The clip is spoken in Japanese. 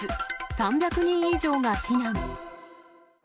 ３００人以上が避難。